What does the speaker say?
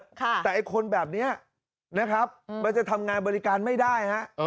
แต่ไอ้คนแบบนี้นะครับมันจะทำงานบริการไม่ได้ฮะ